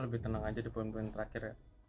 lebih tenang aja di poin poin terakhir ya